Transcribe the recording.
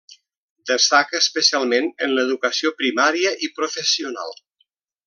Destaca especialment en l'educació primària i professional.